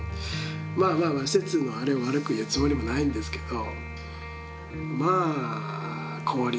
まあまあ施設のあれを悪く言うつもりもないんですけど。